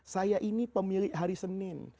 saya ini pemilik hari senin